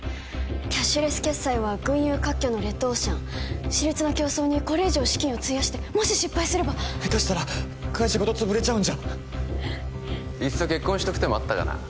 キャッシュレス決済は群雄割拠のレッドオーシャン熾烈な競争にこれ以上資金を費やしてもし失敗すれば下手したら会社ごと潰れちゃうんじゃいっそ結婚しとく手もあったかな